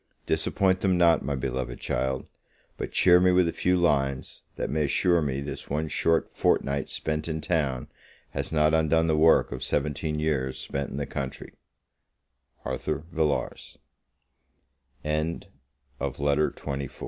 Disappointment them not, my beloved child; but cheer me with a few lines, that may assure me, this one short fortnight spent in town has not undone the work of seventeen years spent in the country. ARTHUR VILLARS. LETTER XXV EVELINA TO THE REV.